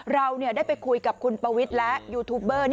เราได้ไปคุยกับคุณปวิทย์และยูทูบเบอร์